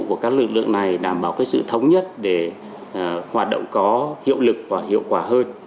của các lực lượng này đảm bảo sự thống nhất để hoạt động có hiệu lực và hiệu quả hơn